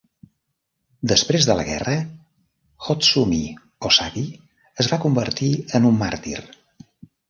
Després de la guerra, Hotsumi Ozaki es va convertir en un màrtir.